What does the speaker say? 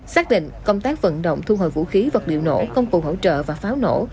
xác định công tác vận động thu hồi vũ khí vật liệu nổ công cụ hỗ trợ và pháo nổ